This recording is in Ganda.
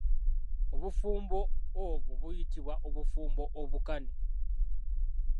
Obufumbo obw'o buyitibwa obufumbo obukane.